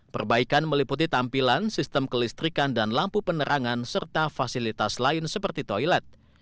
perbaikan meliputi tampilan sistem kelistrikan dan lampu penerangan serta fasilitas lain seperti toilet